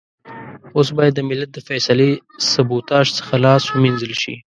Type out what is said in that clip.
اوس بايد د ملت د فيصلې سبوتاژ څخه لاس و مينځل شي.